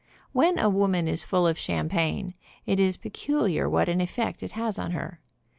When a woman is full of champagne, it is pecu liar what an effect it has on her.